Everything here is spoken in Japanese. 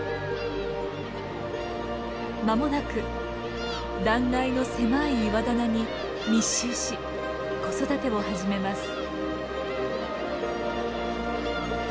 間もなく断崖の狭い岩棚に密集し子育てを始めます。